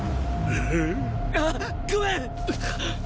あっごめん！